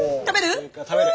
食べる？